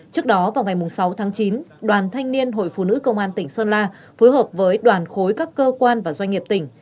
trước đó vào ngày sáu tháng chín đoàn thanh niên hội phụ nữ công an tỉnh sơn la phối hợp với đoàn khối các cơ quan và doanh nghiệp tỉnh